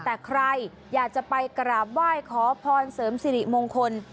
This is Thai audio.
แต่ใครอยากจะไปกราบไหว้ขอพรเสริมสิริมงคล